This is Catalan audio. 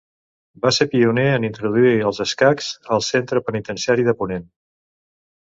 Va ser pioner en introduir els escacs al Centre Penitenciari de Ponent.